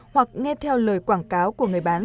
hoặc nghe theo lời quảng cáo của người bán